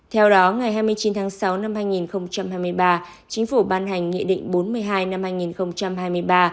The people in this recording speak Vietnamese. theo đó ngày hai mươi chín tháng sáu năm hai nghìn hai mươi ba chính phủ ban hành nghị định bốn mươi hai năm hai nghìn hai mươi ba